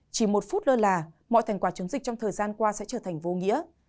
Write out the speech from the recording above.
chỉ một phút lơ là mọi thành quả chống dịch trong thời gian qua sẽ trở thành vô nghĩa